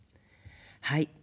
はい。